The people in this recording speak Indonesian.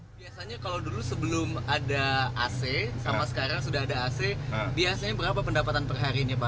biasanya kalau dulu sebelum ada ac sama sekarang sudah ada ac biasanya berapa pendapatan perharinya pak